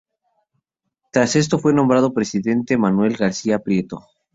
Tras esto fue nombrado presidente Manuel García Prieto.